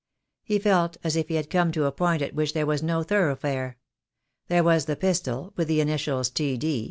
He felt as if he had come to a point at which there was no thoroughfare. There was the pistol, with the initials "T. D.